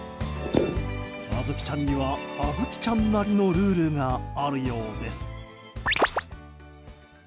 あずきちゃんにはあずきちゃんなりのルールがあるようです。